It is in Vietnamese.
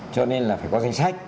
cho nên là phải có danh sách